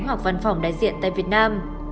hoặc văn phòng đại diện tại việt nam